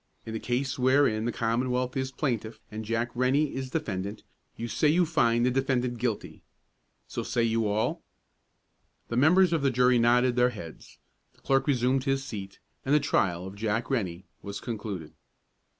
In the case wherein the Commonwealth is plaintiff and Jack Rennie is defendant, you say you find the defendant guilty. So say you all?" The members of the jury nodded their heads, the clerk resumed his seat, and the trial of Jack Rennie was concluded.